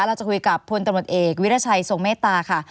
เราจะคุยกับพลตำรวจเอกวิรัชัยทรงเมตตาค่ะ